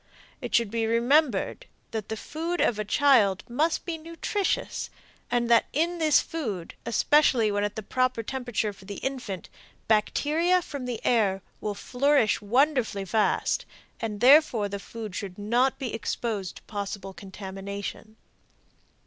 It should be remembered that the food of a child must be nutritious, and that in this food, especially when at the proper temperature for the infant, bacteria from the air will flourish wonderfully fast, and therefore the food should not be exposed to possible contamination.